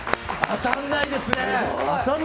当たらないですね。